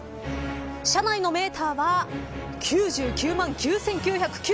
車内のメーターは９９万９９９９。